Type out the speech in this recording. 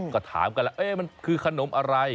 ก็ถามกันแล้วมันคือขนมอะไร